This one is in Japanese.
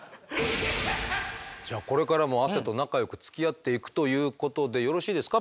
じゃあこれからも汗と仲よくつきあっていくということでよろしいですか？